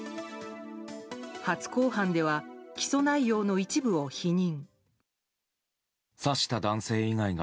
初公判では起訴内容の一部を否認。